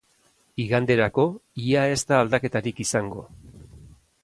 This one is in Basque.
Iganderako, ia ez da aldaketarik izango.